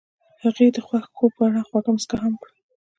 هغې د خوښ خوب په اړه خوږه موسکا هم وکړه.